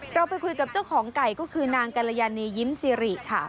เราไปคุยกับเจ้าของไก่ก็คือนางกัลยานียิ้มซิริค่ะ